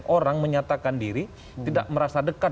orang menyatakan diri tidak merasa dekat